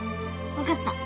分かった。